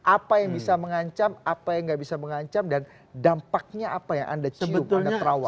apa yang bisa mengancam apa yang gak bisa mengancam dan dampaknya apa yang anda cium anda terawal